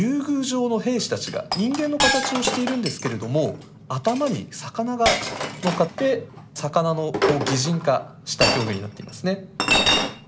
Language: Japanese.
宮城の兵士たちが人間の形をしているんですけれども頭に魚がのっかって魚の擬人化した表現になっていますね。